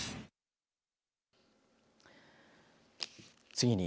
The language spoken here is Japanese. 次に